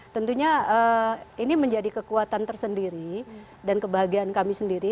tentunya ini menjadi kekuatan tersendiri dan kebahagiaan kami sendiri